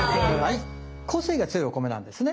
個性が強いお米なんですね